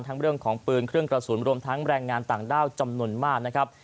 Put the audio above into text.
เรื่องของปืนเครื่องกระสุนรวมทั้งแรงงานต่างด้าวจำนวนมากนะครับ